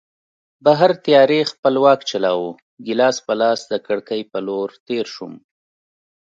بهر تیارې خپل واک چلاوه، ګیلاس په لاس د کړکۍ په لور تېر شوم.